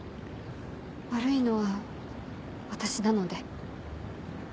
悪いのは私なので。